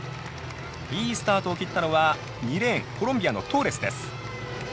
いいスタートを切ったのは２レーンコロンビアのトーレスです。